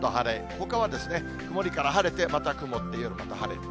ほかは曇りから晴れて、また曇って、夜晴れ。